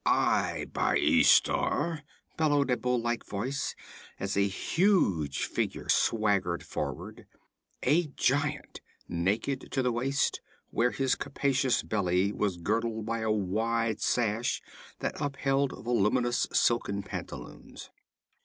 'I, by Ishtar!' bellowed a bull like voice, as a huge figure swaggered forward: a giant, naked to the waist, where his capacious belly was girdled by a wide sash that upheld voluminous silken pantaloons.